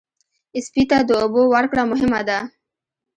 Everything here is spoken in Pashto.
سپي ته د اوبو ورکړه مهمه ده.